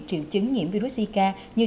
triệu chứng nhiễm virus zika như